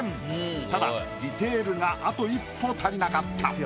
ただディテールがあと一歩足りなかった。